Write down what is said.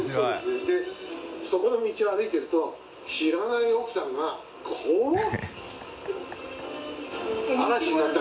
そこの道を歩いてると知らない奥さんが海 Α 魯魯蓮